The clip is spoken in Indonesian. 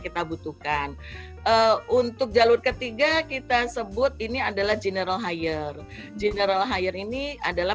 kita butuhkan untuk jalur ketiga kita sebut ini adalah general hire general hire ini adalah